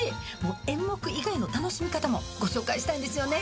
演目以外の楽しみ方もご紹介したいんですよね。